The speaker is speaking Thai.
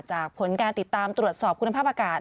ผลการติดตามตรวจสอบคุณภาพอากาศ